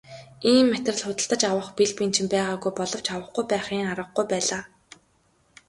Ийм материал худалдаж авах бэл бэнчин байгаагүй боловч авахгүй байхын аргагүй байлаа.